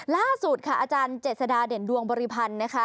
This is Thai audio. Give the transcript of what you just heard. ล่าสุดค่ะอาจารย์เจษฎาเด่นดวงบริพันธ์นะคะ